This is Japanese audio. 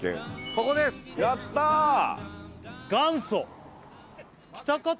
ここですやった元祖！